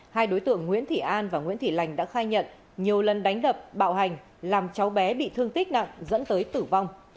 hai đối tượng nguyễn thị an và nguyễn thị lành đã khai nhận nhiều lần đánh đập bạo hành làm cháu bé bị thương tích nặng dẫn tới tử vong